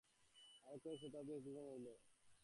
আরও কয়েক শতাব্দী অতিক্রান্ত হইল।